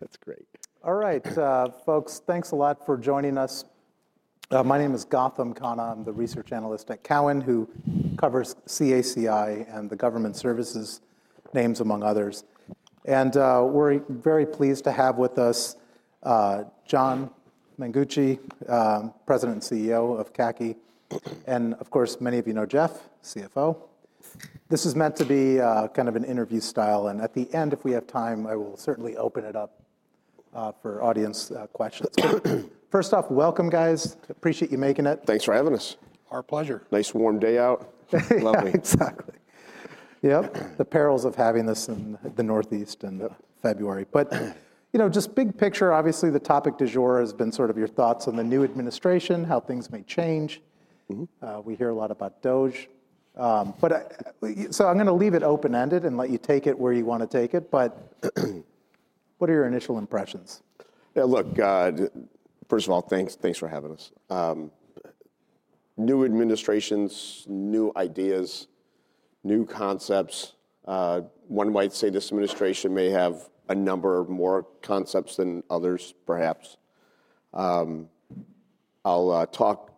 That's great. All right, folks, thanks a lot for joining us. My name is Gautam Khanna. I'm the Research Analyst at Cowen, who covers CACI and the government services, names among others. And we're very pleased to have with us John Mengucci, President and CEO of CACI. And of course, many of you know Jeff, CFO. This is meant to be kind of an interview style. And at the end, if we have time, I will certainly open it up for audience questions. First off, welcome, guys. Appreciate you making it. Thanks for having us. Our pleasure. Nice warm day out. Lovely. Exactly. Yep. The perils of having this in the Northeast in February. But, you know, just big picture, obviously the topic du jour has been sort of your thoughts on the new administration, how things may change. We hear a lot about DOGE. But so I'm going to leave it open-ended and let you take it where you want to take it. But what are your initial impressions? Yeah, look, first of all, thanks for having us. New administrations, new ideas, new concepts. One might say this administration may have a number more concepts than others, perhaps. I'll talk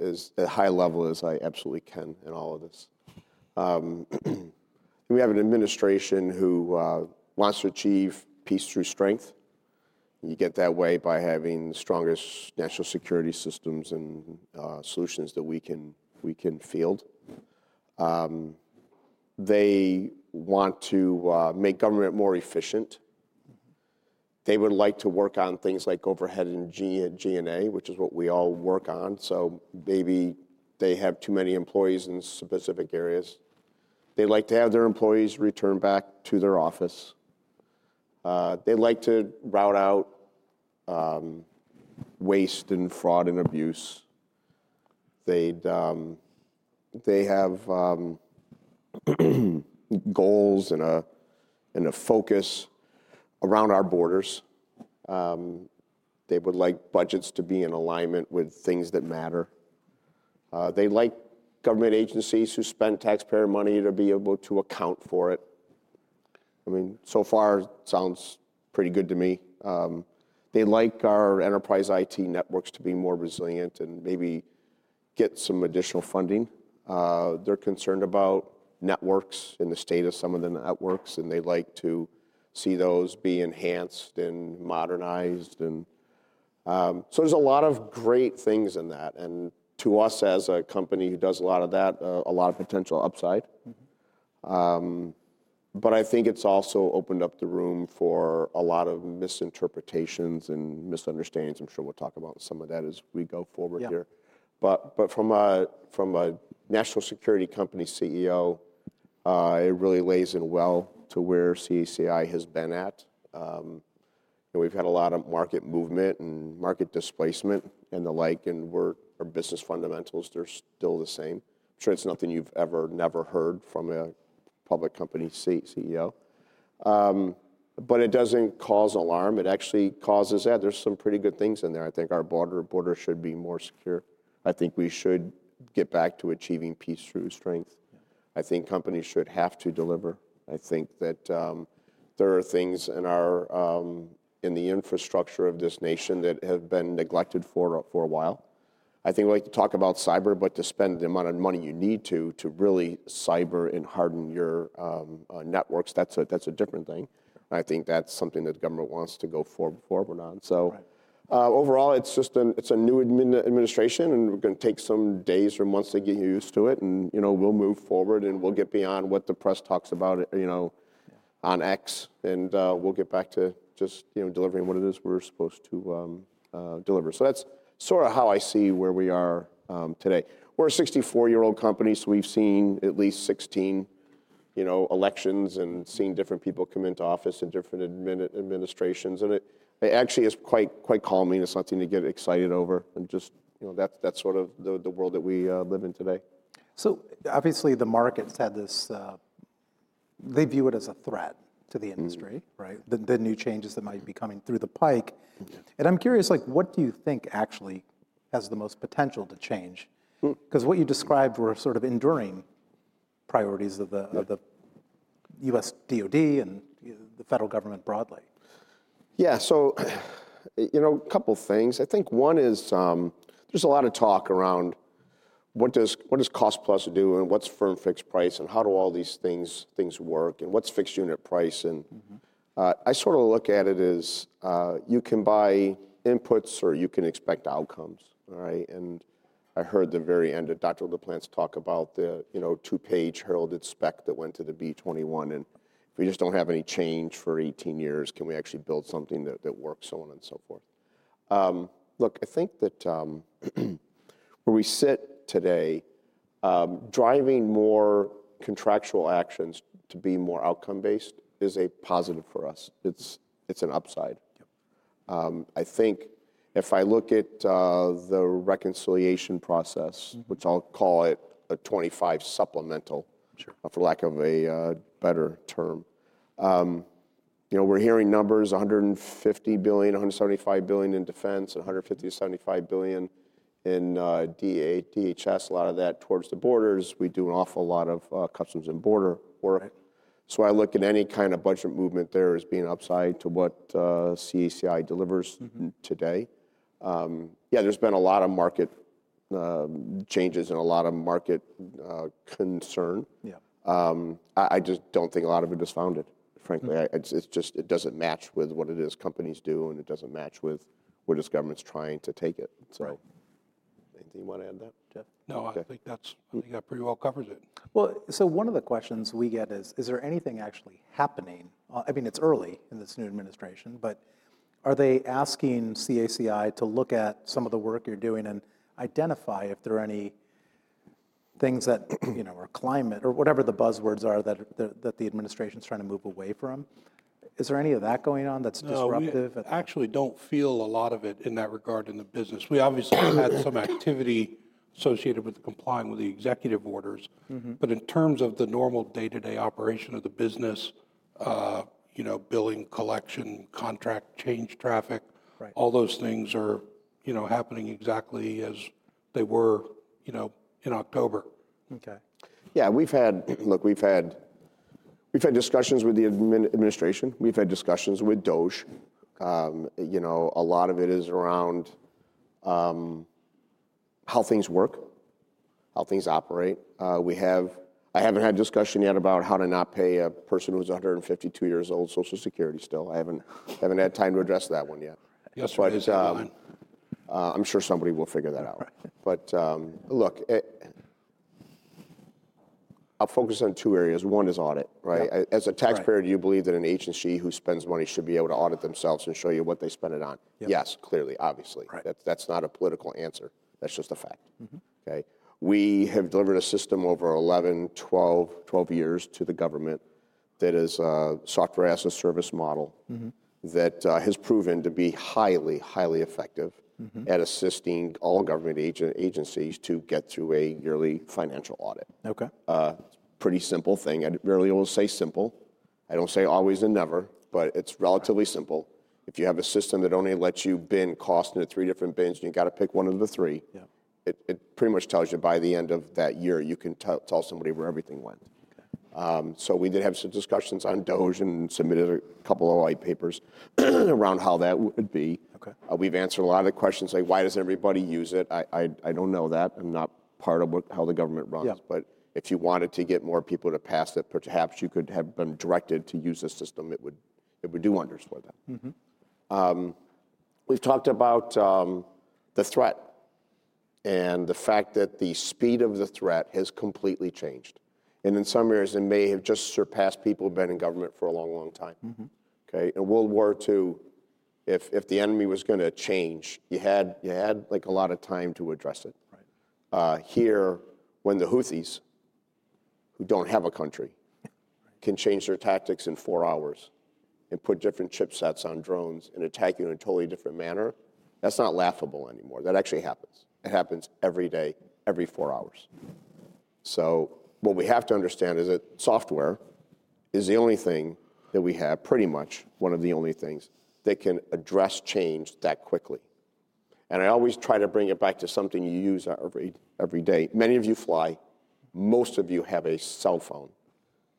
as high level as I absolutely can in all of this. We have an administration who wants to achieve peace through strength. You get that way by having the strongest national security systems and solutions that we can field. They want to make government more efficient. They would like to work on things like overhead and G&A, which is what we all work on. So maybe they have too many employees in specific areas. They'd like to have their employees return back to their office. They'd like to root out waste and fraud and abuse. They have goals and a focus around our borders. They would like budgets to be in alignment with things that matter. They like government agencies who spend taxpayer money to be able to account for it. I mean, so far, it sounds pretty good to me. They like our enterprise IT networks to be more resilient and maybe get some additional funding. They're concerned about networks in the state of some of the networks, and they'd like to see those be enhanced and modernized. And so there's a lot of great things in that. And to us as a company who does a lot of that, a lot of potential upside. But I think it's also opened up the room for a lot of misinterpretations and misunderstandings. I'm sure we'll talk about some of that as we go forward here. But from a national security company CEO, it really lays in well to where CACI has been at. We've had a lot of market movement and market displacement and the like, and our business fundamentals, they're still the same. I'm sure it's nothing you've ever heard from a public company CEO. But it doesn't cause alarm. It actually causes, yeah, there's some pretty good things in there. I think our border should be more secure. I think we should get back to achieving peace through strength. I think companies should have to deliver. I think that there are things in the infrastructure of this nation that have been neglected for a while. I think we like to talk about cyber, but to spend the amount of money you need to, to really cyber and harden your networks, that's a different thing. I think that's something that the government wants to go forward for, but not. So overall, it's just a new administration, and we're going to take some days or months to get used to it. And we'll move forward, and we'll get beyond what the press talks about on X, and we'll get back to just delivering what it is we're supposed to deliver. So that's sort of how I see where we are today. We're a 64-year-old company, so we've seen at least 16 elections and seen different people come into office in different administrations. And it actually is quite calming. It's nothing to get excited over. And just that's sort of the world that we live in today. So obviously, the markets had this, they view it as a threat to the industry, right? The new changes that might be coming down the pike. And I'm curious, what do you think actually has the most potential to change? Because what you described were sort of enduring priorities of the U.S. DOD and the federal government broadly. Yeah, so you know a couple of things. I think one is there's a lot of talk around what does cost plus do and what's firm fixed price and how do all these things work and what's fixed unit price. And I sort of look at it as you can buy inputs or you can expect outcomes, right? And I heard the very end of Dr. LaPlante's talk about the two-page heralded spec that went to the B-21. And if we just don't have any change for 18 years, can we actually build something that works, so on and so forth? Look, I think that where we sit today, driving more contractual actions to be more outcome-based is a positive for us. It's an upside. I think if I look at the reconciliation process, which I'll call it a 25 supplemental, for lack of a better term, we're hearing numbers, $150 billion, $175 billion in defense, $150 billion to $75 billion in DHS, a lot of that towards the borders. We do an awful lot of customs and border work. So I look at any kind of budget movement there as being upside to what CACI delivers today. Yeah, there's been a lot of market changes and a lot of market concern. I just don't think a lot of it is founded, frankly. It just doesn't match with what it is companies do, and it doesn't match with where this government's trying to take it. So anything you want to add to that, Jeff? No, I think that pretty well covers it. So one of the questions we get is, is there anything actually happening? I mean, it's early in this new administration, but are they asking CACI to look at some of the work you're doing and identify if there are any things that are climate or whatever the buzzwords are that the administration's trying to move away from? Is there any of that going on that's disruptive? I actually don't feel a lot of it in that regard in the business. We obviously had some activity associated with complying with the executive orders, but in terms of the normal day-to-day operation of the business, billing, collection, contract, change traffic, all those things are happening exactly as they were in October. Okay. Yeah, we've had, look, we've had discussions with the administration. We've had discussions with DOGE. A lot of it is around how things work, how things operate. I haven't had a discussion yet about how to not pay a person who's 152 years old Social Security still. I haven't had time to address that one yet. Yes, that's fine. I'm sure somebody will figure that out. But look, I'll focus on two areas. One is audit, right? As a taxpayer, do you believe that an agency who spends money should be able to audit themselves and show you what they spend it on? Yes, clearly, obviously. That's not a political answer. That's just a fact. Okay? We have delivered a system over 11, 12 years to the government that is a software as a service model that has proven to be highly, highly effective at assisting all government agencies to get through a yearly financial audit. It's a pretty simple thing. I rarely will say simple. I don't say always and never, but it's relatively simple. If you have a system that only lets you bin cost into three different bins and you've got to pick one of the three, it pretty much tells you by the end of that year, you can tell somebody where everything went, so we did have some discussions on DOGE and submitted a couple of white papers around how that would be. We've answered a lot of the questions like, why doesn't everybody use it? I don't know that. I'm not part of how the government runs. But if you wanted to get more people to pass it, perhaps you could have been directed to use the system. It would do wonders for them. We've talked about the threat and the fact that the speed of the threat has completely changed, and in some areas, it may have just surpassed people who've been in government for a long, long time. Okay? In World War II, if the enemy was going to change, you had a lot of time to address it. Here, when the Houthis, who don't have a country, can change their tactics in four hours and put different chipsets on drones and attack you in a totally different manner, that's not laughable anymore. That actually happens. It happens every day, every four hours, so what we have to understand is that software is the only thing that we have, pretty much one of the only things that can address change that quickly, and I always try to bring it back to something you use every day. Many of you fly. Most of you have a cell phone.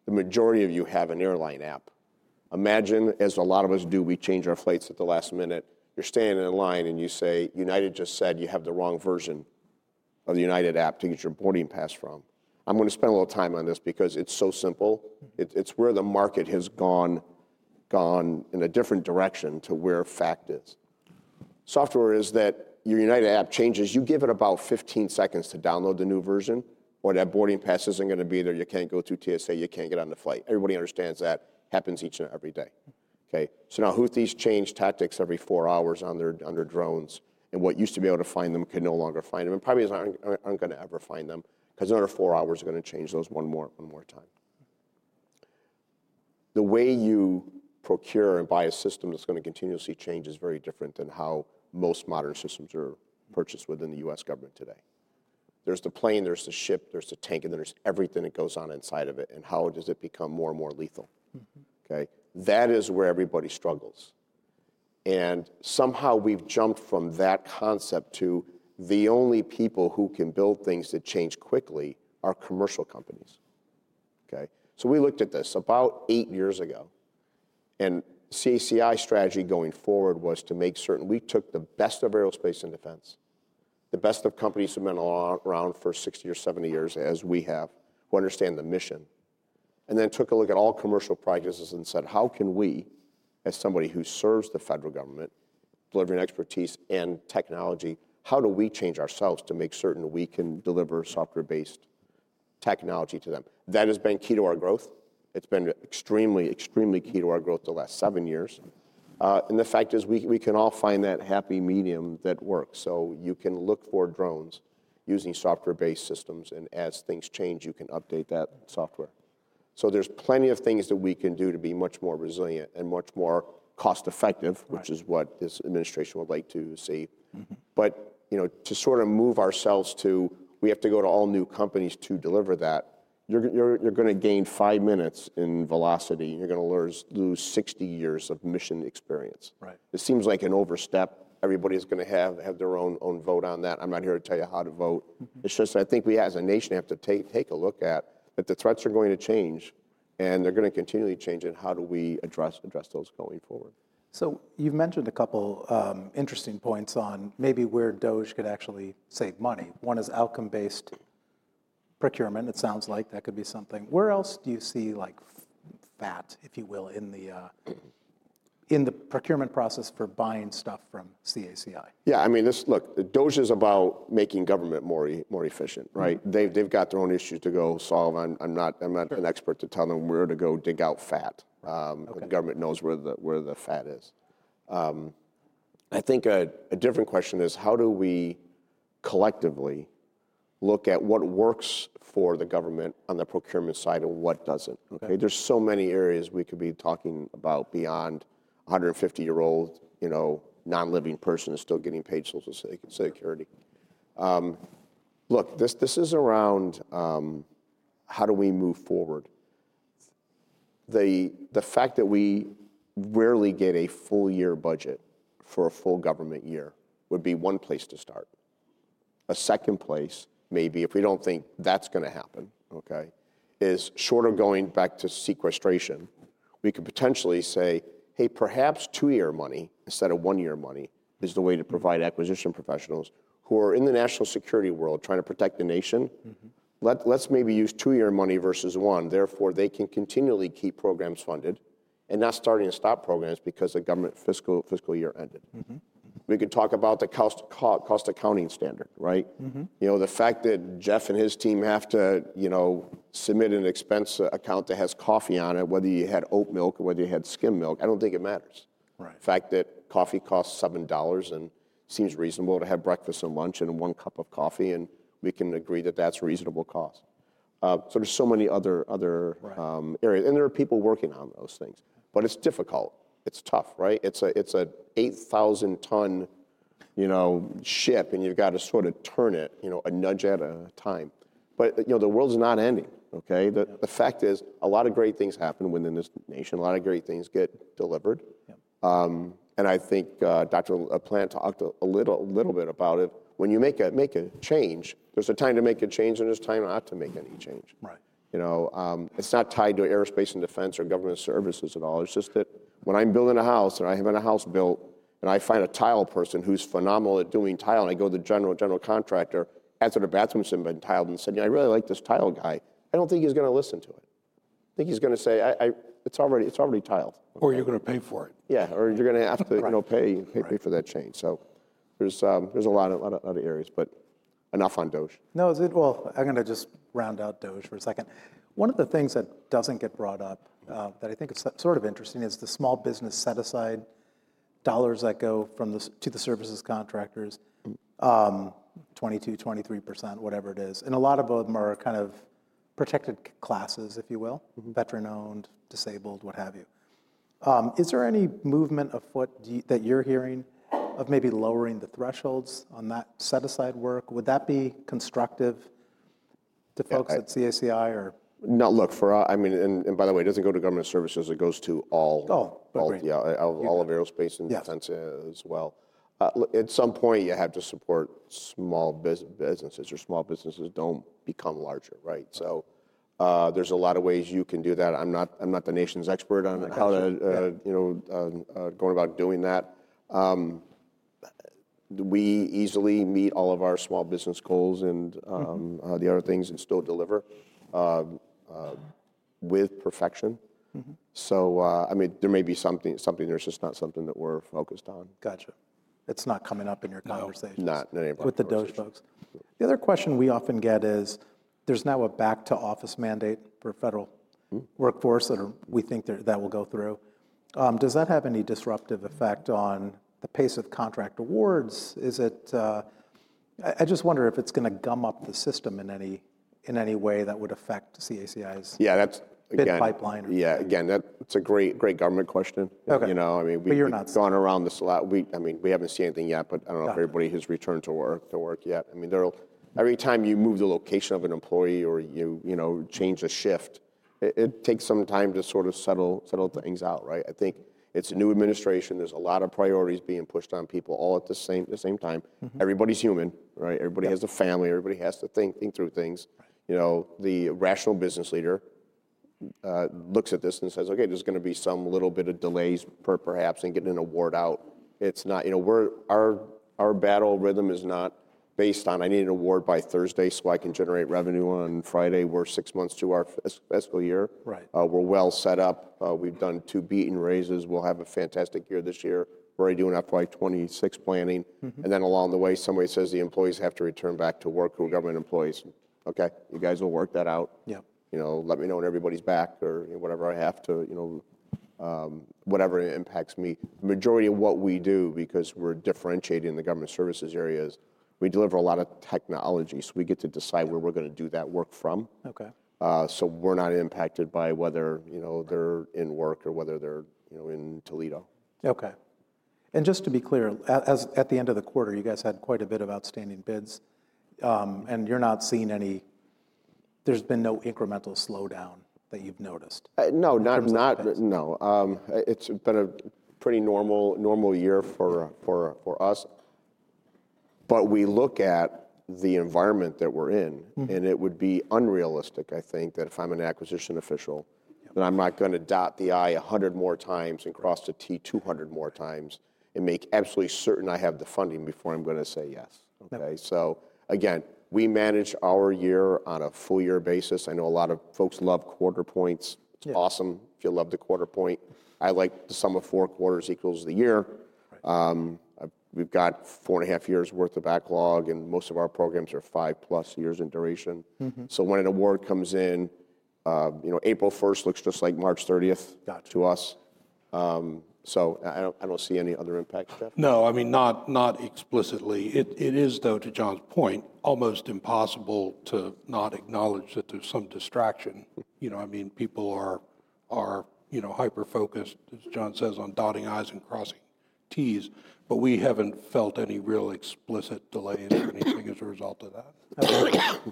The majority of you have an airline app. Imagine, as a lot of us do, we change our flights at the last minute. You're standing in line and you say, "United just said you have the wrong version of the United App to get your boarding pass from." I'm going to spend a little time on this because it's so simple. It's where the market has gone in a different direction to where fact is. Software is that your United App changes. You give it about 15 seconds to download the new version, or that boarding pass isn't going to be there. You can't go through TSA. You can't get on the flight. Everybody understands that. Happens each and every day. Okay? So now Houthis change tactics every four hours on their drones. And what used to be able to find them can no longer find them. And probably isn't going to ever find them because in under four hours, they're going to change those one more time. The way you procure and buy a system that's going to continuously change is very different than how most modern systems are purchased within the U.S. government today. There's the plane, there's the ship, there's the tank, and then there's everything that goes on inside of it. And how does it become more and more lethal? Okay? That is where everybody struggles. And somehow we've jumped from that concept to the only people who can build things that change quickly are commercial companies. Okay? So we looked at this about eight years ago. And CACI's strategy going forward was to make certain we took the best of aerospace and defense, the best of companies who've been around for 60 or 70 years as we have, who understand the mission, and then took a look at all commercial practices and said, how can we, as somebody who serves the federal government, delivering expertise and technology, how do we change ourselves to make certain we can deliver software-based technology to them? That has been key to our growth. It's been extremely, extremely key to our growth the last seven years. And the fact is we can all find that happy medium that works. So you can look for drones using software-based systems, and as things change, you can update that software. So there's plenty of things that we can do to be much more resilient and much more cost-effective, which is what this administration would like to see. But to sort of move ourselves to we have to go to all new companies to deliver that, you're going to gain five minutes in velocity. You're going to lose 60 years of mission experience. It seems like an overstep. Everybody's going to have their own vote on that. I'm not here to tell you how to vote. It's just, I think, we as a nation have to take a look at that. The threats are going to change and they're going to continually change. And how do we address those going forward? So you've mentioned a couple of interesting points on maybe where DOGE could actually save money. One is outcome-based procurement. It sounds like that could be something. Where else do you see fat, if you will, in the procurement process for buying stuff from CACI? Yeah, I mean, look, DOGE is about making government more efficient, right? They've got their own issues to go solve. I'm not an expert to tell them where to go dig out fat. The government knows where the fat is. I think a different question is how do we collectively look at what works for the government on the procurement side and what doesn't? Okay? There's so many areas we could be talking about beyond 150-year-old non-living person is still getting paid Social Security. Look, this is around how do we move forward. The fact that we rarely get a full-year budget for a full government year would be one place to start. A second place, maybe if we don't think that's going to happen, okay, is sort of going back to sequestration. We could potentially say, hey, perhaps two-year money instead of one-year money is the way to provide acquisition professionals who are in the national security world trying to protect the nation. Let's maybe use two-year money versus one. Therefore, they can continually keep programs funded and not starting to stop programs because the government fiscal year ended. We could talk about the cost accounting standard, right? The fact that Jeff and his team have to submit an expense account that has coffee on it, whether you had oat milk or whether you had skim milk, I don't think it matters. The fact that coffee costs $7 and seems reasonable to have breakfast and lunch and one cup of coffee, and we can agree that that's a reasonable cost. So there's so many other areas, and there are people working on those things, but it's difficult. It's tough, right? It's an 8,000-ton ship, and you've got to sort of turn it a nudge at a time. But the world's not ending, okay? The fact is a lot of great things happen within this nation. A lot of great things get delivered. And I think Dr. LaPlante talked a little bit about it. When you make a change, there's a time to make a change and there's a time not to make any change. It's not tied to aerospace and defense or government services at all. It's just that when I'm building a house and I have a house built and I find a tile person who's phenomenal at doing tile and I go to the general contractor, has their bathrooms been tiled? and said, "I really like this tile guy," I don't think he's going to listen to it. I think he's going to say, "It's already tiled. Or you're going to pay for it. Yeah, or you're going to have to pay for that change. So there's a lot of areas, but enough on DOGE. No, well, I'm going to just round out DOGE for a second. One of the things that doesn't get brought up that I think is sort of interesting is the small business set-aside dollars that go to the services contractors, 22%-23%, whatever it is. And a lot of them are kind of protected classes, if you will, veteran-owned, disabled, what have you. Is there any movement afoot that you're hearing of maybe lowering the thresholds on that set-aside work? Would that be constructive to folks at CACI or? No, look, for us, I mean, and by the way, it doesn't go to government services. It goes to all. Oh, both. Yeah, all of aerospace and defense as well. At some point, you have to support small businesses or small businesses don't become larger, right? So there's a lot of ways you can do that. I'm not the nation's expert on how to go about doing that. We easily meet all of our small business goals and the other things and still deliver with perfection. So I mean, there may be something. There's just not something that we're focused on. Gotcha. It's not coming up in your conversations. Not anymore. With the DOGE folks. The other question we often get is there's now a back-to-office mandate for federal workforce that we think that will go through. Does that have any disruptive effect on the pace of contract awards? I just wonder if it's going to gum up the system in any way that would affect CACI's bid pipeline. Yeah, again, that's a great government question. I mean, we've gone around this a lot. I mean, we haven't seen anything yet, but I don't know if everybody has returned to work yet. I mean, every time you move the location of an employee or you change a shift, it takes some time to sort of settle things out, right? I think it's a new administration. There's a lot of priorities being pushed on people all at the same time. Everybody's human, right? Everybody has a family. Everybody has to think through things. The rational business leader looks at this and says, "Okay, there's going to be some little bit of delays perhaps in getting an award out." Our battle rhythm is not based on, "I need an award by Thursday so I can generate revenue on Friday." We're six months to our fiscal year. We're well set up. We've done two beaten raises. We'll have a fantastic year this year. We're already doing FY26 planning. And then along the way, somebody says the employees have to return back to work who are government employees. Okay, you guys will work that out. Let me know when everybody's back or whatever I have to, whatever impacts me. The majority of what we do, because we're differentiating in the government services areas, we deliver a lot of technology. So we get to decide where we're going to do that work from. So we're not impacted by whether they're in work or whether they're in Toledo. Okay. And just to be clear, at the end of the quarter, you guys had quite a bit of outstanding bids. And you're not seeing any. There's been no incremental slowdown that you've noticed. No, not at all. No. It's been a pretty normal year for us. But we look at the environment that we're in, and it would be unrealistic, I think, that if I'm an acquisition official, that I'm not going to dot the i 100 more times and cross the t 200 more times and make absolutely certain I have the funding before I'm going to say yes. Okay? So again, we manage our year on a full-year basis. I know a lot of folks love quarter points. It's awesome if you love the quarter point. I like the sum of four quarters equals the year. We've got four and a half years' worth of backlog, and most of our programs are five-plus years in duration. So when an award comes in, April 1st looks just like March 30th to us. So I don't see any other impact. No, I mean, not explicitly. It is, though, to John's point, almost impossible to not acknowledge that there's some distraction. I mean, people are hyper-focused, as John says, on dotting I's and crossing T's. But we haven't felt any real explicit delay in anything as a result of that.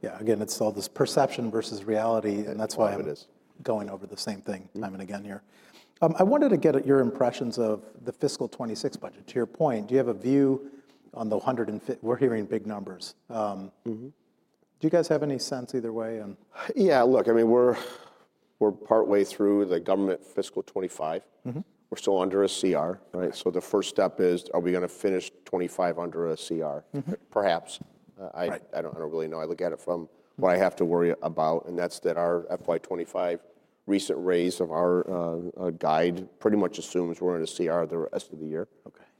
Yeah. Again, it's all this perception versus reality. And that's why I'm going over the same thing time and again here. I wanted to get at your impressions of the fiscal 2026 budget. To your point, do you have a view on the $150 billion? We're hearing big numbers. Do you guys have any sense either way? Yeah, look, I mean, we're partway through the government fiscal 2025. We're still under a CR, right? So the first step is, are we going to finish 2025 under a CR? Perhaps. I don't really know. I look at it from what I have to worry about, and that's that our FY 2025 recent raise of our guide pretty much assumes we're in a CR the rest of the year.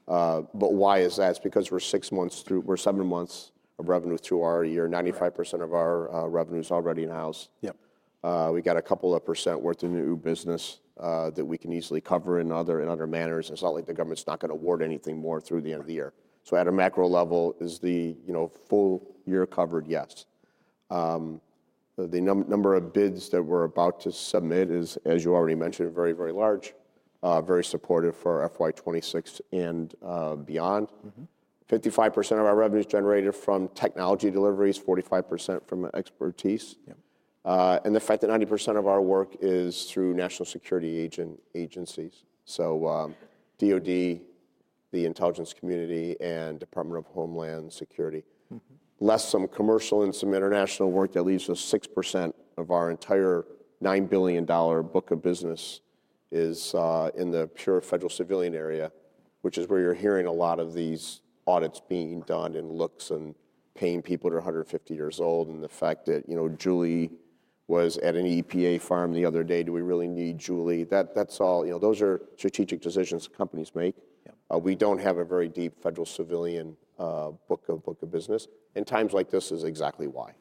But why is that? It's because we're six months through. We're seven months of revenue through our year. 95% of our revenue is already in-house. We got a couple of percent worth of new business that we can easily cover in other manners. It's not like the government's not going to award anything more through the end of the year. So at a macro level, is the full year covered? Yes. The number of bids that we're about to submit is, as you already mentioned, very, very large, very supportive for FY26 and beyond. 55% of our revenue is generated from technology deliveries, 45% from expertise. And the fact that 90% of our work is through national security agencies. So DOD, the intelligence community, and Department of Homeland Security, less some commercial and some international work that leaves us 6% of our entire $9 billion book of business is in the pure federal civilian area, which is where you're hearing a lot of these audits being done and looks and paying people that are 150 years old and the fact that Julie was at an EPA farm the other day. Do we really need Julie? That's all. Those are strategic decisions companies make. We don't have a very deep federal civilian book of business. And times like this is exactly why.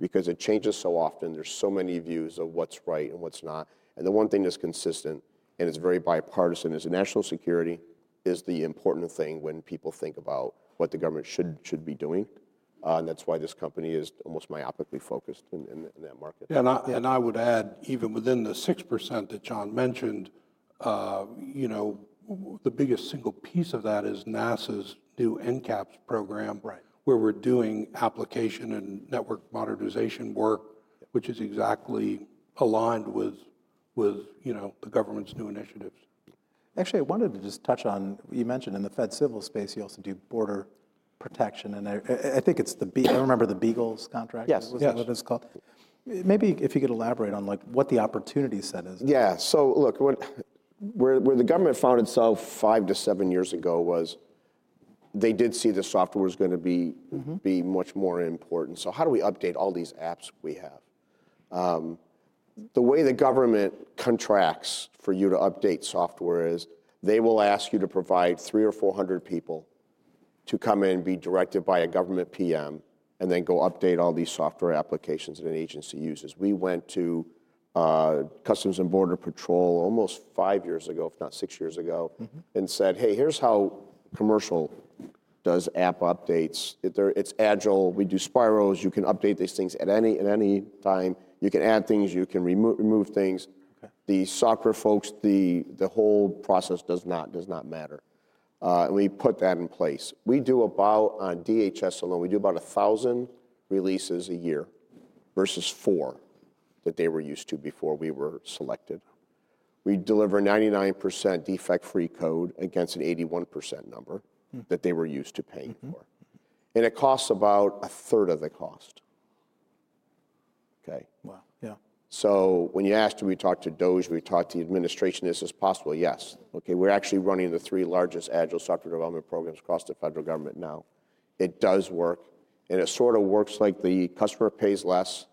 Because it changes so often. There's so many views of what's right and what's not. And the one thing that's consistent and it's very bipartisan is national security is the important thing when people think about what the government should be doing. And that's why this company is almost myopically focused in that market. I would add, even within the 6% that John mentioned, the biggest single piece of that is NASA's new NCAPS program, where we're doing application and network modernization work, which is exactly aligned with the government's new initiatives. Actually, I wanted to just touch on you mentioned in the federal civil space, you also do border protection. And I think it's. I remember the BEAGLE contract. Was that what it was called? Maybe if you could elaborate on what the opportunity set is. Yeah. So look, where the government found itself five to seven years ago was they did see the software was going to be much more important. So how do we update all these apps we have? The way the government contracts for you to update software is they will ask you to provide three or four hundred people to come in and be directed by a government PM and then go update all these software applications that an agency uses. We went to Customs and Border Protection almost five years ago, if not six years ago, and said, "Hey, here's how commercial does app updates. It's agile. We do spirals. You can update these things at any time. You can add things. You can remove things." The software folks, the whole process does not matter. And we put that in place. On DHS alone, we do about 1,000 releases a year versus four that they were used to before we were selected. We deliver 99% defect-free code against an 81% number that they were used to paying for. And it costs about a third of the cost. Okay? Wow. Yeah. So when you asked, did we talk to DOGE? We talked to the administration. Is this possible? Yes. Okay. We're actually running the three largest agile software development programs across the federal government now. It does work. And it sort of works like the customer pays less,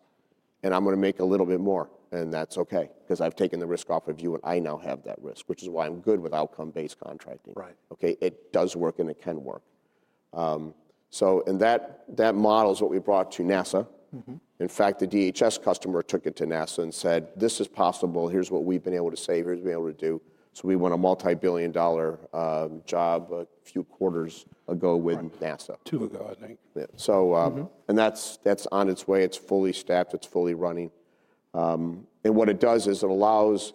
and I'm going to make a little bit more. And that's okay because I've taken the risk off of you, and I now have that risk, which is why I'm good with outcome-based contracting. Okay? It does work, and it can work. And that model is what we brought to NASA. In fact, the DHS customer took it to NASA and said, "This is possible. Here's what we've been able to save. Here's what we've been able to do." So we won a multi-billion dollar job a few quarters ago with NASA. Two ago, I think. Yeah. And that's on its way. It's fully staffed. It's fully running. And what it does is it allows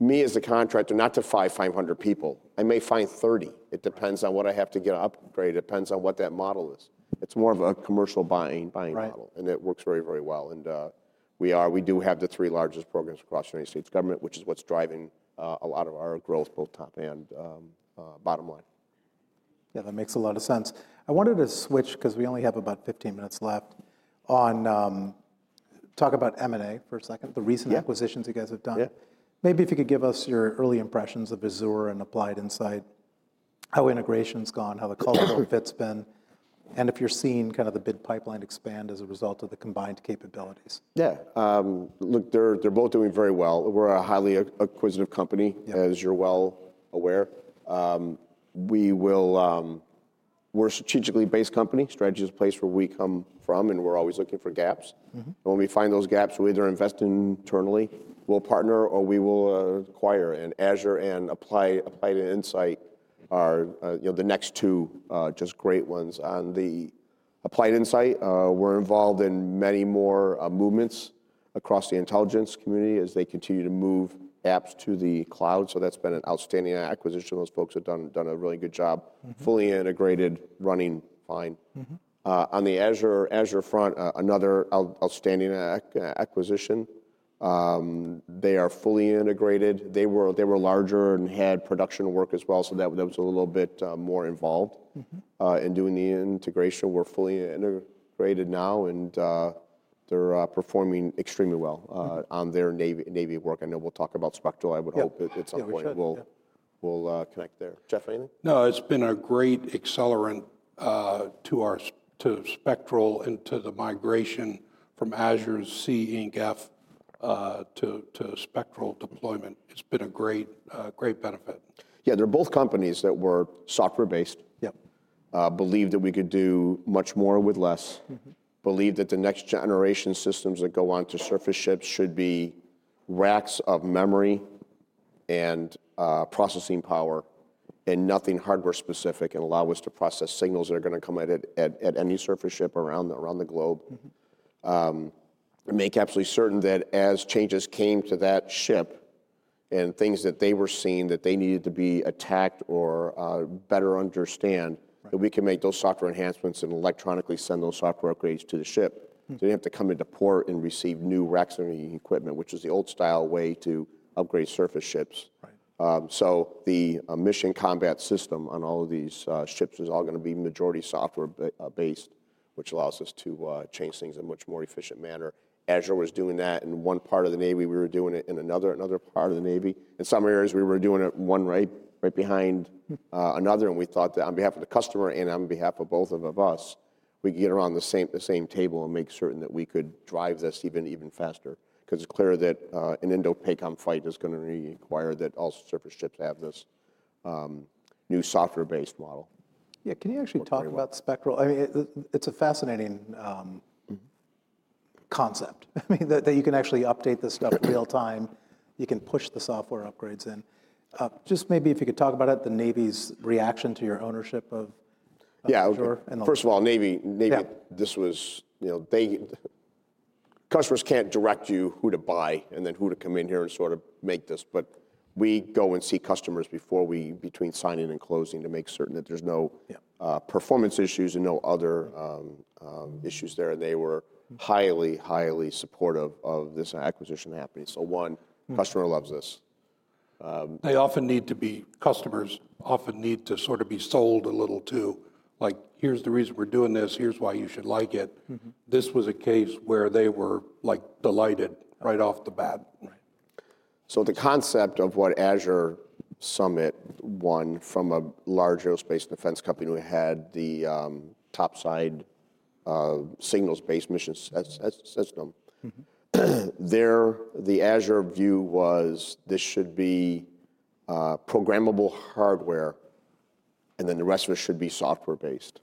me as a contractor not to find 500 people. I may find 30. It depends on what I have to get upgraded. It depends on what that model is. It's more of a commercial buying model. And it works very, very well. And we do have the three largest programs across the United States government, which is what's driving a lot of our growth, both top and bottom line. Yeah, that makes a lot of sense. I wanted to switch because we only have about 15 minutes left to talk about M&A for a second, the recent acquisitions you guys have done. Maybe if you could give us your early impressions of Azure and Applied Insight, how integration's gone, how the cultural fit's been, and if you're seeing kind of the bid pipeline expand as a result of the combined capabilities? Yeah. Look, they're both doing very well. We're a highly acquisitive company, as you're well aware. We're a strategically based company. Strategy is a place where we come from, and we're always looking for gaps, and when we find those gaps, we either invest internally, we'll partner, or we will acquire, and Azure and Applied Insight are the next two just great ones. On the Applied Insight, we're involved in many more movements across the intelligence community as they continue to move apps to the cloud, so that's been an outstanding acquisition. Those folks have done a really good job, fully integrated, running fine. On the Azure front, another outstanding acquisition. They are fully integrated. They were larger and had production work as well, so that was a little bit more involved in doing the integration. We're fully integrated now, and they're performing extremely well on their Navy work. I know we'll talk about Spectral. I would hope at some point we'll connect there. Jeff, anything? No, it's been a great accelerant to Spectral and to the migration from Azure's CENC to Spectral deployment. It's been a great benefit. Yeah, there are both companies that were software-based, believed that we could do much more with less, believed that the next generation systems that go onto surface ships should be racks of memory and processing power and nothing hardware-specific and allow us to process signals that are going to come at any surface ship around the globe. And make absolutely certain that as changes came to that ship and things that they were seeing that they needed to be attacked or better understand, that we can make those software enhancements and electronically send those software upgrades to the ship. So they didn't have to come into port and receive new racks of equipment, which is the old-style way to upgrade surface ships. The mission combat system on all of these ships is all going to be majority software-based, which allows us to change things in a much more efficient manner. Azure was doing that in one part of the Navy. We were doing it in another part of the Navy. In some areas, we were doing it one right behind another. And we thought that on behalf of the customer and on behalf of both of us, we could get around the same table and make certain that we could drive this even faster. Because it's clear that an Indo-Pacific fight is going to require that all surface ships have this new software-based model. Yeah. Can you actually talk about Spectral? I mean, it's a fascinating concept. I mean, that you can actually update this stuff real-time. You can push the software upgrades in. Just maybe if you could talk about it, the Navy's reaction to your ownership of Azure? Yeah. First of all, Navy, this was customers can't direct you who to buy and then who to come in here and sort of make this, but we go and see customers before we between signing and closing to make certain that there's no performance issues and no other issues there, and they were highly, highly supportive of this acquisition happening. So, one, customer loves this. They often need to sort of be sold a little too. Like, "Here's the reason we're doing this. Here's why you should like it." This was a case where they were delighted right off the bat. So the concept of what Azure Summit won from a large aerospace defense company who had the topside signals-based mission system. The Azure view was this should be programmable hardware, and then the rest of it should be software-based.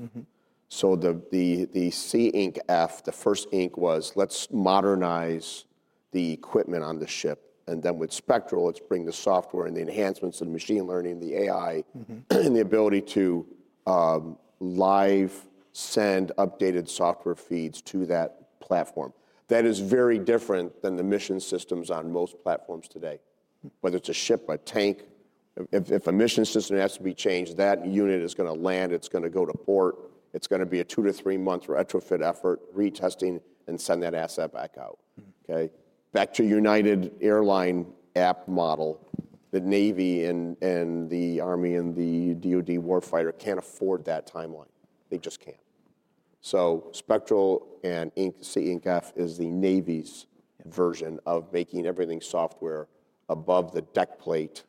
So the CENC, the first ENC was, "Let's modernize the equipment on the ship." And then with Spectral, let's bring the software and the enhancements and machine learning, the AI, and the ability to live send updated software feeds to that platform. That is very different than the mission systems on most platforms today. Whether it's a ship, a tank, if a mission system has to be changed, that unit is going to land, it's going to go to port, it's going to be a two- to three-month retrofit effort, retesting, and send that asset back out. Okay? Back to United Airlines app model, the Navy and the Army and the DOD warfighter can't afford that timeline. They just can't, so Spectral and CENC is the Navy's version of making everything software above the deck plate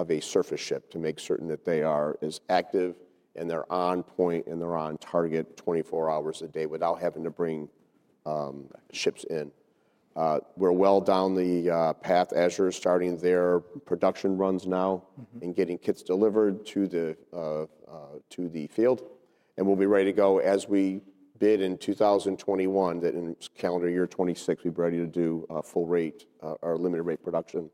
of a surface ship to make certain that they are as active and they're on point and they're on target 24 hours a day without having to bring ships in. We're well down the path. Azure is starting their production runs now and getting kits delivered to the field, and we'll be ready to go as we bid in 2021 that in calendar year 2026, we'd be ready to do full rate or limited rate production.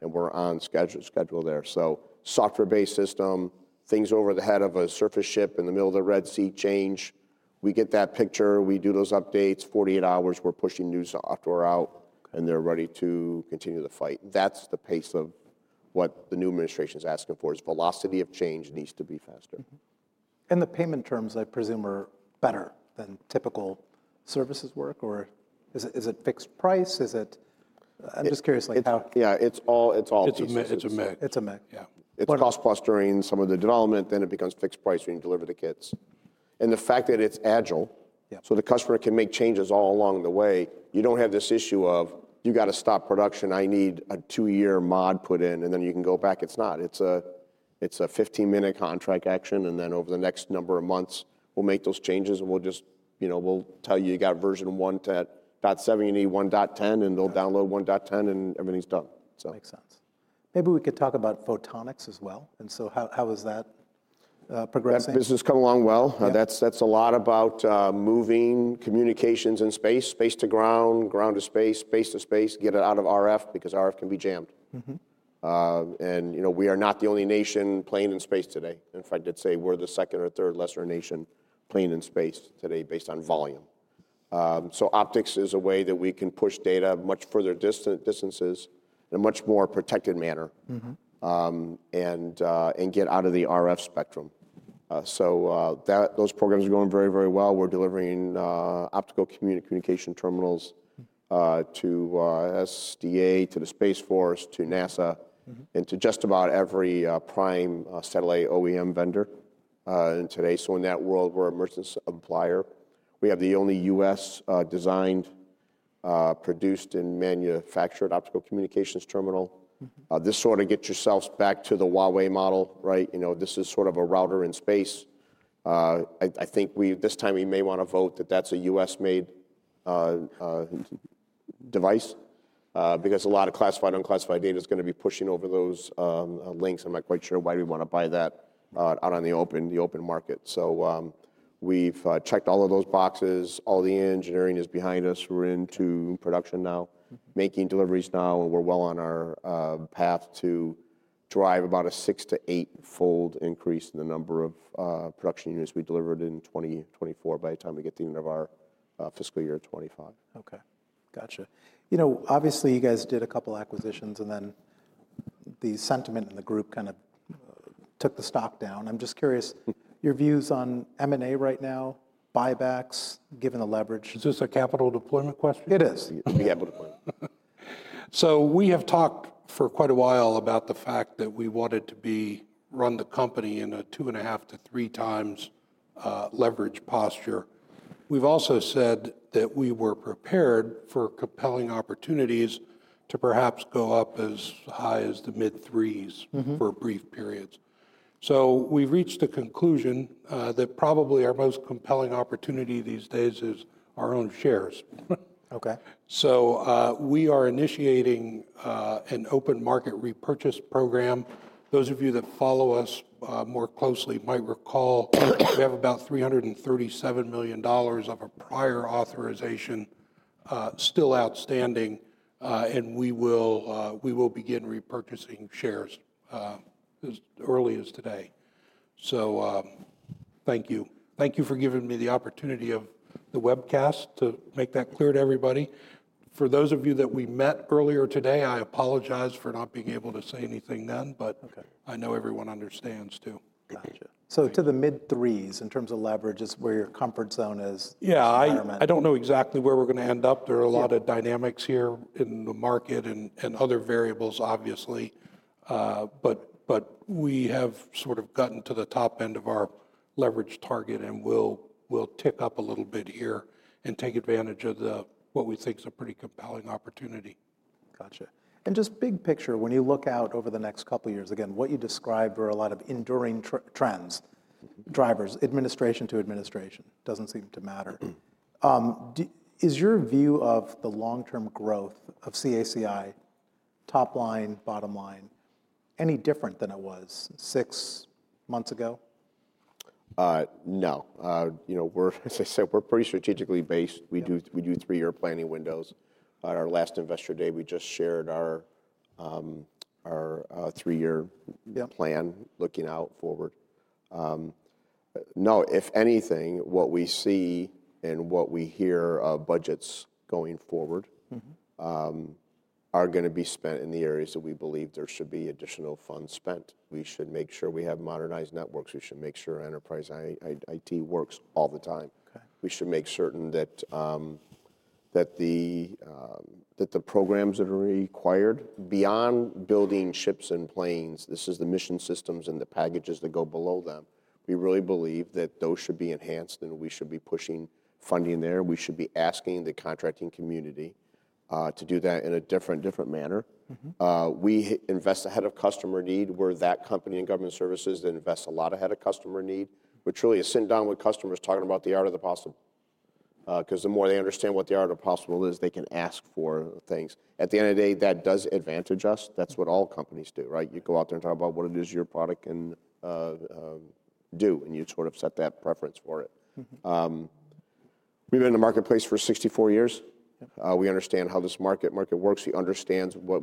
And we're on schedule there, so software-based system, things over the head of a surface ship in the middle of the Red Sea change. We get that picture. We do those updates. 48 hours, we're pushing new software out, and they're ready to continue the fight. That's the pace of what the new administration is asking for, is velocity of change, needs to be faster. The payment terms, I presume, are better than typical services work? Or is it fixed price? I'm just curious how. Yeah. It's all fixed. It's a MAC. It's a MAC. Yeah. It's cost clustering, some of the development, then it becomes fixed price when you deliver the kits. And the fact that it's agile, so the customer can make changes all along the way. You don't have this issue of, "You got to stop production. I need a two-year mod put in," and then you can go back. It's not. It's a 15-minute contract action. And then over the next number of months, we'll make those changes, and we'll just tell you, "You got version 1.7, you need 1.10," and they'll download 1.10, and everything's done. Makes sense. Maybe we could talk about photonics as well. And so how is that progressing? That business is coming along well. That's a lot about moving communications in space, space to ground, ground to space, space to space, get it out of RF because RF can be jammed. And we are not the only nation playing in space today. In fact, I'd say we're the second or third lesser nation playing in space today based on volume. So optics is a way that we can push data much further distances in a much more protected manner and get out of the RF spectrum. So those programs are going very, very well. We're delivering optical communication terminals to SDA, to the Space Force, to NASA, and to just about every prime satellite OEM vendor today. So in that world, we're a merchant supplier. We have the only U.S. designed, produced, and manufactured optical communications terminal. This sort of gets us back to the Huawei model, right? This is sort of a router in space. I think this time we may want to vote that that's a U.S.-made device because a lot of classified, unclassified data is going to be pushing over those links. I'm not quite sure why we want to buy that out on the open market. So we've checked all of those boxes. All the engineering is behind us. We're into production now, making deliveries now, and we're well on our path to drive about a six- to eight-fold increase in the number of production units we delivered in 2024 by the time we get to the end of our fiscal year 2025. Okay. Gotcha. You know, obviously, you guys did a couple of acquisitions, and then the sentiment in the group kind of took the stock down. I'm just curious, your views on M&A right now, buybacks, given the leverage? Is this a capital deployment question? It is. Yeah, capital deployment. So we have talked for quite a while about the fact that we wanted to run the company in a two and a half to three times leverage posture. We've also said that we were prepared for compelling opportunities to perhaps go up as high as the mid-threes for brief periods. So we've reached the conclusion that probably our most compelling opportunity these days is our own shares. So we are initiating an open market repurchase program. Those of you that follow us more closely might recall we have about $337 million of a prior authorization still outstanding, and we will begin repurchasing shares as early as today. So thank you. Thank you for giving me the opportunity of the webcast to make that clear to everybody. For those of you that we met earlier today, I apologize for not being able to say anything then, but I know everyone understands too. Gotcha. So to the mid-threes in terms of leverage, is where your comfort zone is? Yeah. I don't know exactly where we're going to end up. There are a lot of dynamics here in the market and other variables, obviously. But we have sort of gotten to the top end of our leverage target, and we'll tick up a little bit here and take advantage of what we think is a pretty compelling opportunity. Gotcha. And just big picture, when you look out over the next couple of years, again, what you described are a lot of enduring trends, drivers, administration to administration. It doesn't seem to matter. Is your view of the long-term growth of CACI, top line, bottom line, any different than it was six months ago? No. As I said, we're pretty strategically based. We do three-year planning windows. On our last investor day, we just shared our three-year plan looking out forward. No, if anything, what we see and what we hear of budgets going forward are going to be spent in the areas that we believe there should be additional funds spent. We should make sure we have modernized networks. We should make sure enterprise IT works all the time. We should make certain that the programs that are required beyond building ships and planes, this is the mission systems and the packages that go below them. We really believe that those should be enhanced, and we should be pushing funding there. We should be asking the contracting community to do that in a different manner. We invest ahead of customer need. We're that company in government services that invests a lot ahead of customer need, which really is sitting down with customers talking about the art of the possible. Because the more they understand what the art of the possible is, they can ask for things. At the end of the day, that does advantage us. That's what all companies do, right? You go out there and talk about what it is your product can do, and you sort of set that preference for it. We've been in the marketplace for 64 years. We understand how this market works. We understand what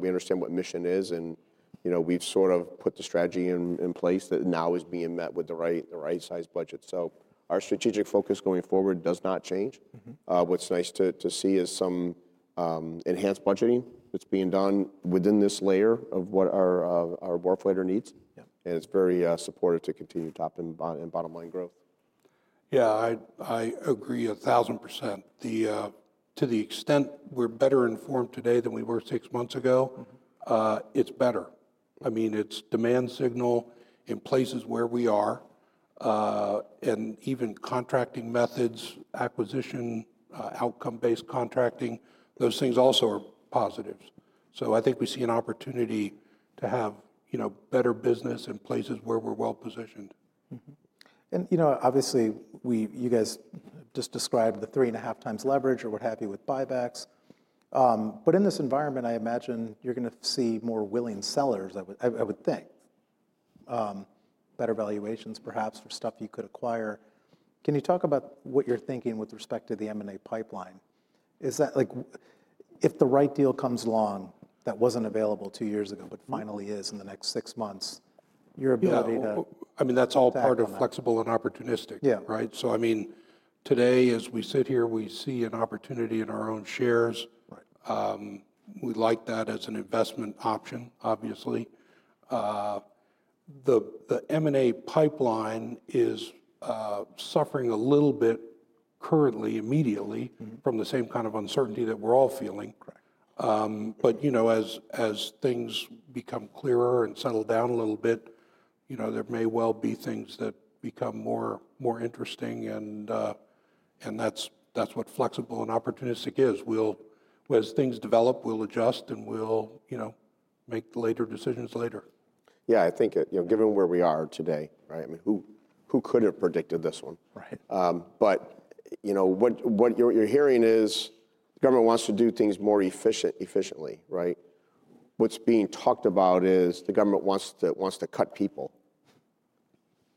mission is. And we've sort of put the strategy in place that now is being met with the right-sized budget. So our strategic focus going forward does not change. What's nice to see is some enhanced budgeting that's being done within this layer of what our warfighter needs. It's very supportive to continue top and bottom line growth. Yeah, I agree 1,000%. To the extent we're better informed today than we were six months ago, it's better. I mean, it's demand signal in places where we are. And even contracting methods, acquisition, outcome-based contracting, those things also are positives. So I think we see an opportunity to have better business in places where we're well positioned. And obviously, you guys just described the three and a half times leverage or what have you with buybacks. But in this environment, I imagine you're going to see more willing sellers, I would think, better valuations perhaps for stuff you could acquire. Can you talk about what you're thinking with respect to the M&A pipeline? If the right deal comes along that wasn't available two years ago but finally is in the next six months, your ability to. I mean, that's all part of flexible and opportunistic, right? So I mean, today, as we sit here, we see an opportunity in our own shares. We like that as an investment option, obviously. The M&A pipeline is suffering a little bit currently, immediately, from the same kind of uncertainty that we're all feeling. But as things become clearer and settle down a little bit, there may well be things that become more interesting. And that's what flexible and opportunistic is. As things develop, we'll adjust and we'll make the later decisions later. Yeah, I think given where we are today, right? I mean, who could have predicted this one? But what you're hearing is the government wants to do things more efficiently, right? What's being talked about is the government wants to cut people.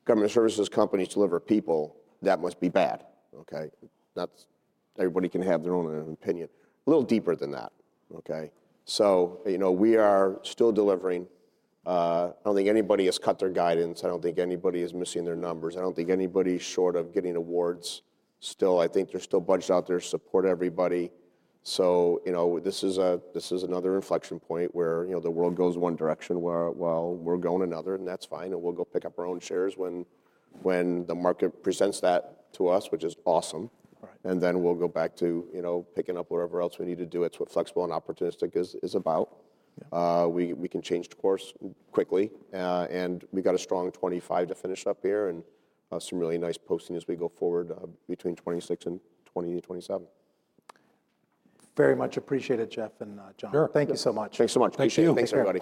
Government services companies deliver people. That must be bad. Okay? Not everybody can have their own opinion. A little deeper than that. Okay? So we are still delivering. I don't think anybody has cut their guidance. I don't think anybody is missing their numbers. I don't think anybody's short of getting awards. Still, I think they're still budgeted out there to support everybody. So this is another inflection point where the world goes one direction while we're going another. And that's fine. And we'll go pick up our own shares when the market presents that to us, which is awesome. Then we'll go back to picking up whatever else we need to do. It's what flexible and opportunistic is about. We can change course quickly. We've got a strong 2025 to finish up here and some really nice posting as we go forward between 2026 and 2027. Very much appreciated, Jeff and John. Thank you so much. Thanks so much. Thank you. Thanks, everybody.